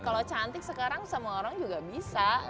kalau cantik sekarang semua orang juga bisa